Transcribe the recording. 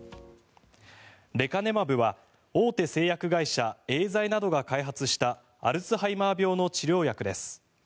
レカネマブは大手製薬会社エーザイなどが開発したアルツハイマー病の治療薬です。